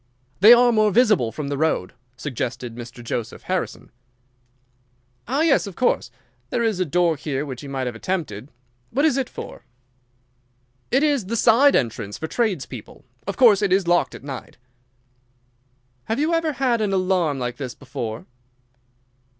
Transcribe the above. "They are more visible from the road," suggested Mr. Joseph Harrison. "Ah, yes, of course. There is a door here which he might have attempted. What is it for?" "It is the side entrance for trades people. Of course it is locked at night." "Have you ever had an alarm like this before?"